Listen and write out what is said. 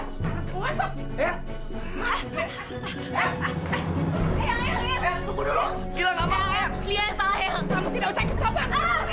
liat salah kamu tidak usah kecapak